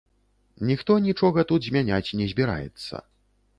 Ніхто нічога тут змяняць не збіраецца.